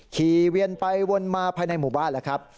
เวียนไปวนมาภายในหมู่บ้านแล้วครับ